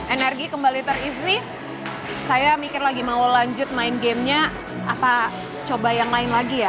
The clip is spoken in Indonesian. energi kembali terisi saya mikir lagi mau lanjut main gamenya apa coba yang lain lagi ya